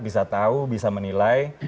bisa tahu bisa menilai